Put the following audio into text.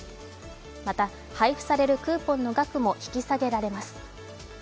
また、配布されるクーポンの額も引き下げられます。